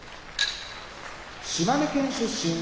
島根県出身